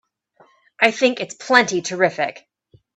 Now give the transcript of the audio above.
I think it's plenty terrific!